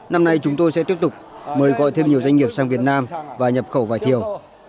năm nay chúng tôi sẽ tiếp tục mời gọi thêm nhiều doanh nghiệp sang việt nam và nhập khẩu vải thiều